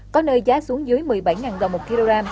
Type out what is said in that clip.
có nơi giá xuống dưới một mươi bảy đồng một kg